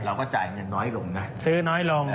เราก็จ่ายเงินน้อยลงนะซื้อน้อยลง